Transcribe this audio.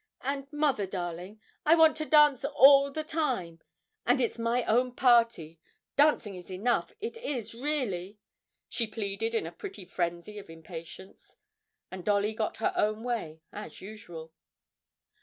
And, mother darling, I want to dance all the time; and it's my own party. Dancing is enough it is really,' she pleaded in a pretty frenzy of impatience. And Dolly got her own way as usual.